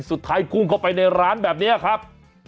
สุดท้ายพุ่งเข้าไปในร้านแบบนี้ครับ